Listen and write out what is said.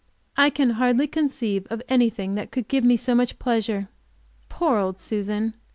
I can hardly conceive of anything that give me so much pleasure! Poor old Susan!